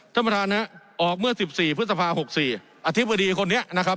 ท่านประธานนะฮะออกเมื่อสิบสี่พฤษภาหกสี่อธิบดีคนนี้นะครับ